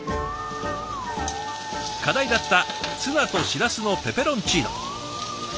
課題だったツナとしらすのペペロンチーノ。